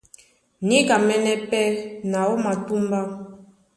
Níkamɛ́nɛ́ pɛ́ na ó matúmbá.